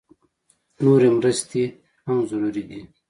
نورې مرستې هم ضروري دي